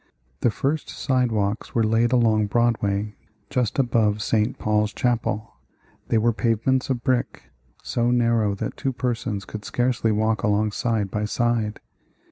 The first sidewalks were laid along Broadway, just above St. Paul's Chapel. They were pavements of brick, so narrow that two persons could scarcely walk along side by side.